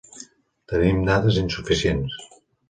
Tenim dades insuficients.